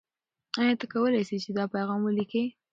آیا ته کولای سې چې دا پیغام ولیکې؟